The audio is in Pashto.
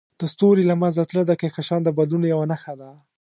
د ستوري له منځه تلل د کهکشان د بدلون یوه نښه ده.